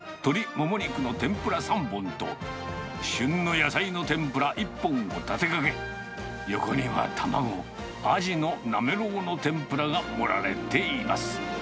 ２０センチはある棒状の鶏モモ肉の天ぷら３本と旬の野菜の天ぷら１本を立てかけ、横には卵、アジのなめろうの天ぷらが盛られています。